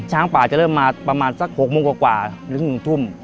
ช้างป่าจะเริ่มมาประมาณสัก๖โมงกว่าหรือ๑ทุ่ม